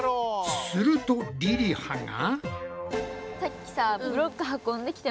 するとりりはが。